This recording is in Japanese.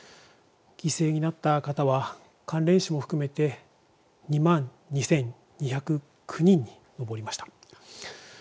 犠牲になった方は関連死も含めて２万２２０９人に上りました。